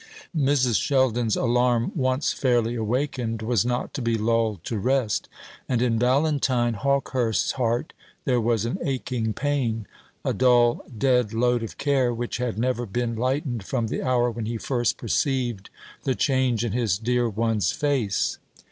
Mrs. Sheldon's alarm, once fairly awakened, was not to be lulled to rest. And in Valentine Hawkehurst's heart there was an aching pain a dull dead load of care, which had never been lightened from the hour when he first perceived the change in his dear one's face.